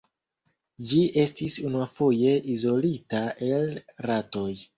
Ĝi estis unuafoje izolita el ratoj.